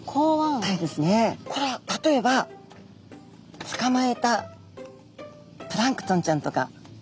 これは例えばつかまえたプランクトンちゃんとか。